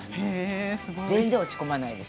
全然落ち込まないです。